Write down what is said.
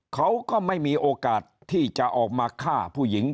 เขาก็ไม่มีโอกาสที่จะออกมาฆ่าผู้หญิง